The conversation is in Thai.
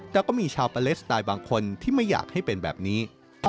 แต่ก็มีชาวปาเลสไตล์บางคนที่ไม่อยากให้เป็นแบบนี้